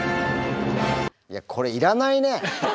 いやこれいらないね。